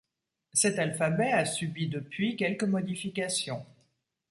Cet alphabet a subi depuis quelques modifications.